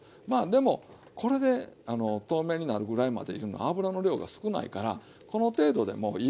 でもこれで透明になるぐらいまでいうのは油の量が少ないからこの程度でもういいかと思うんですよ。